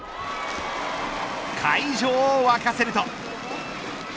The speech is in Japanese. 会場を沸かせると。